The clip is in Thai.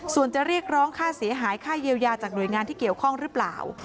ส่วนจะเรียกร้องค่าเสียหายค่าเยียวยาจากหน่วยงานที่เกี่ยวข้องหรือเปล่า